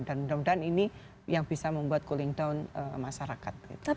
dan mudah mudahan ini yang bisa membuat cooling down masyarakat